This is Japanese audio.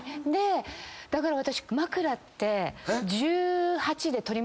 だから私。